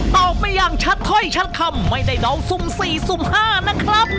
ตอบไปอย่างชัดเท่าให้ชัดคำไม่ได้น้องสุ่ม๔สุ่ม๕นะครับ